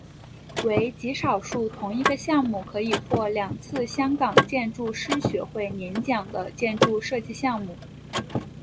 为极少数同一个项目可以获两次香港建筑师学会年奖的建筑设计项目。